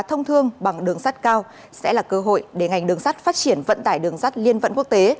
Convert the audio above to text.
thông thương bằng đường sát cao sẽ là cơ hội để ngành đường sát phát triển vận tải đường sát liên vận quốc tế